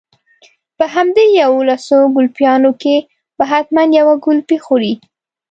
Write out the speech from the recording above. په همدې يوولسو ګلپيانو کې به حتما يوه ګلپۍ خورې.